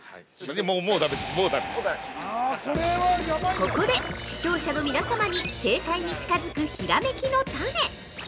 ◆ここで視聴者の皆様に、正解に近づくひらめきのタネ！